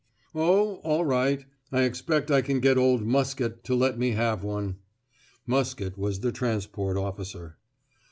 "Oh, all right; I expect I can get old Muskett to let me have one." Muskett was the transport officer.